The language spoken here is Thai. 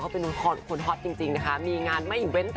ก็จะเป็นงานที่สวยมากงานหนึ่ง